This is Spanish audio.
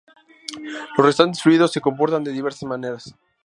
Los restantes fluidos se comportan de diversas manera.